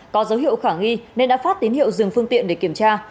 có dấu hiệu khả nghi nên đã phát tín hiệu dừng phương tiện để kiểm tra